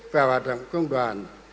và hoạt động công đoàn